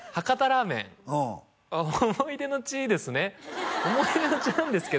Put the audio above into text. ラーメン思い出の地ですね